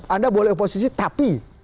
anda boleh oposisi tapi